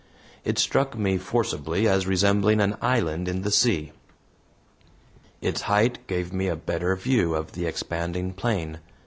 It struck me forcibly as resembling an island in the sea. Its height gave me a better view of the expanding plain.